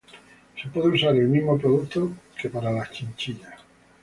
Se puede usar el mismo producto que para las chinchillas.